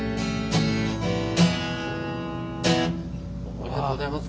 ありがとうございます。